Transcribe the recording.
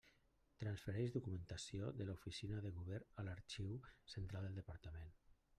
Transfereix documentació de l'Oficina del Govern a l'Arxiu Central del Departament.